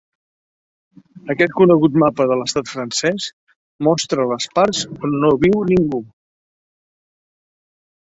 Aquest conegut mapa de l’estat francès mostra les parts on no viu ningú.